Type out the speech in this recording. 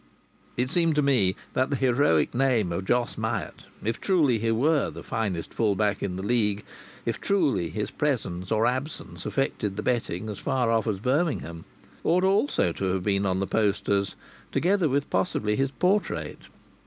It seemed to me that the heroic name of Jos Myatt, if truly he were the finest full back in the League, if truly his presence or absence affected the betting as far off as Birmingham, ought also to have been on the posters, together with possibly his portrait.